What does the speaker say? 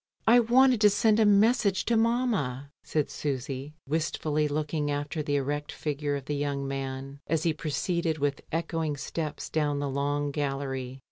"I wanted to send a message to mamma/' said Susy, wistfully looking after the erect figure of the young man as he proceeded with echoing steps down the long gallery.